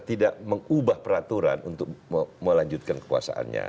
tidak mengubah peraturan untuk melanjutkan kekuasaannya